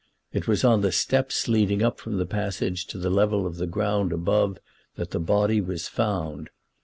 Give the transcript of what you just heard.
It was on the steps leading up from the passage to the level of the ground above that the body was found.